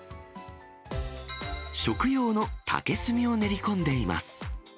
食用の竹炭を練り込んでいます。